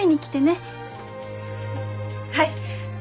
はい。